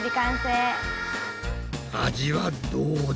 味はどうだ？